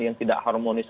yang tidak harmonis